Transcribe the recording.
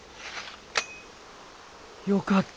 よかった。